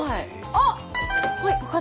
あっ！